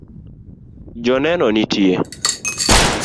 Joneno nitie